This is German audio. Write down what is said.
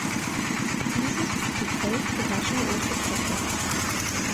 Dieses wird gefällt, gewaschen und getrocknet.